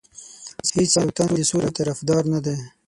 هیڅ یو تن د سولې طرفدار نه دی.